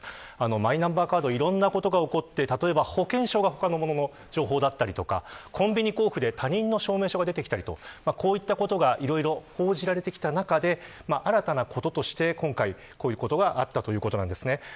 マイナンバーカード、いろいろなことが起こって、保険証が他の者の情報だったりコンビニ交付で他人の証明書が出てきたりとこういったことがいろいろ報じられてきた中で新たなこととして今回、こういうことがあったということです。